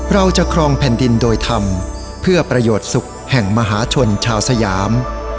เราจะครองแผ่นดินโดยธรรมเพื่อประโยชน์สุขแห่งมหาชนชาวสยาม